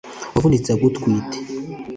Wavunitse agutwite